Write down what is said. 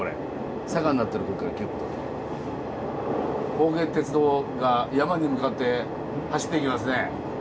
高原鐵道が山に向かって走っていきますね。